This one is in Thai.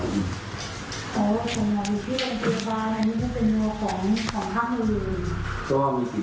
ผมเช็คทางสะพานิ